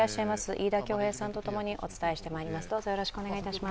飯田恭平さんと共にお伝えしてまいります。